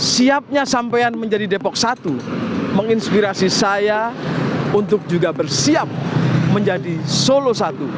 siapnya sampean menjadi depok satu menginspirasi saya untuk juga bersiap menjadi solo satu